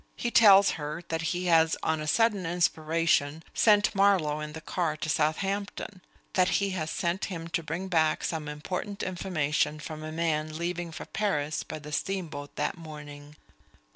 He tells her that he has, on a sudden inspiration, sent Marlowe in the car to Southampton; that he has sent him to bring back some important information from a man leaving for Paris by the steamboat that morning.